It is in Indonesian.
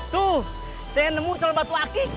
tuh saya nemu sel batu akik